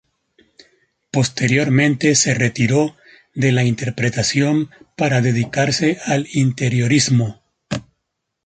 Posteriormente se retiró de la interpretación para dedicarse al interiorismo.